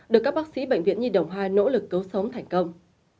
được các bác sĩ bệnh viện nhi đồng hai nỗ lực cứu sống thành công